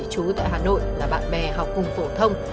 chú tại hà nội là bạn bè học cùng phổ thông